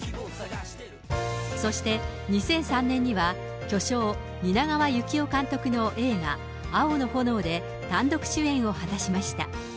そして２００３年には、巨匠、蜷川幸雄監督の映画、青の炎で単独主演を果たしました。